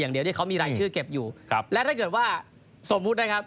อย่างที่เขามีรายชื่อเก็บอยู่ครับและถ้าเกิดว่าสมมุตินะครับ